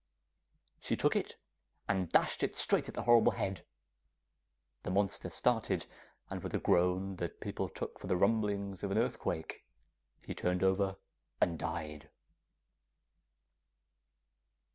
She took it, and dashed it straight at the horrible head, and the monster started, and with a groan that people took for the rumblings of an earthquake, he turned over and died.